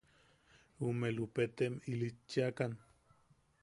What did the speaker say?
Ume Lupetem ilichiakan.